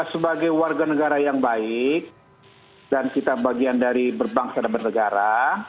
sebagai warga negara yang baik dan kita bagian dari berbangsa dan bernegara